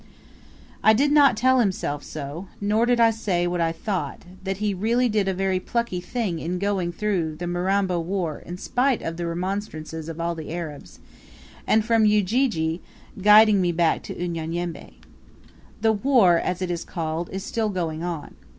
I did not tell himself so; nor did I say what I thought, that he really did a very plucky thing in going through the Mirambo war in spite of the remonstrances of all the Arabs, and from Ujiji guiding me back to Unyanyembe. The war, as it is called, is still going on.